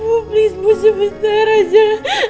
ibu please bu sebentar aja